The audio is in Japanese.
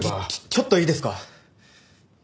ちょっといいですか？